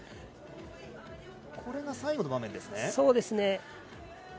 これが最後の場面ですね。